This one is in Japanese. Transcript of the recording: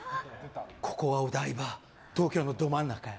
ここはお台場、東京のど真ん中よ。